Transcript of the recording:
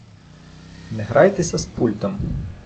не грайтеся з пультом!